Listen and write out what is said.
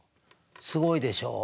すごいでしょう？